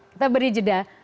kita beri jeda